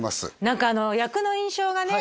何か役の印象がね